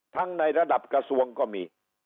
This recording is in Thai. ในระดับกระทรวงก็มี